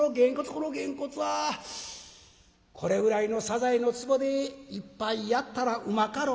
「このげんこつはこれぐらいのサザエの壺で一杯やったらうまかろな」。